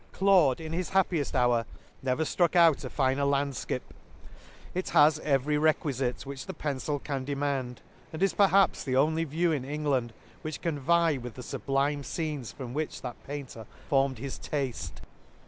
145 Claude in his happieft hour never ftruck out a finer landfkip ; it has every require which the pencil can demand, and is perhaps the only view in England which can vie with the fublime fcenes from which that painter formed his tafle.